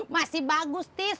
masih bagus tis